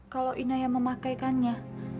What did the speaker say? kalau inaya memakaikannya